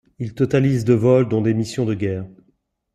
Il totalise de vol dont des missions de guerre.